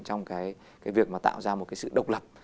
trong cái việc mà tạo ra một cái sự độc lập